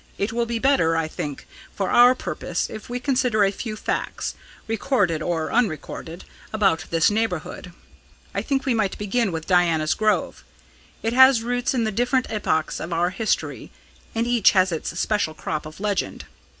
It will be better, I think, for our purpose if we consider a few facts recorded or unrecorded about this neighbourhood. I think we might begin with Diana's Grove. It has roots in the different epochs of our history, and each has its special crop of legend.